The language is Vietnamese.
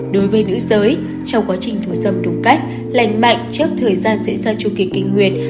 đối với nữ giới trong quá trình thù dâm đúng cách lành mạnh trước thời gian diễn ra châu kỳ kinh nguyệt